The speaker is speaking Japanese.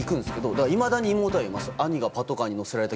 だからいまだに妹は言いますよ。